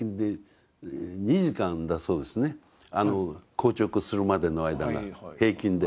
あの硬直するまでの間が平均で。